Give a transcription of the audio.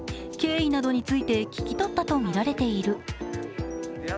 経緯などについて聞き取ったとみられている。